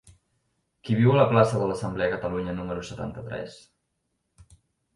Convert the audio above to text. Qui viu a la plaça de l'Assemblea de Catalunya número setanta-tres?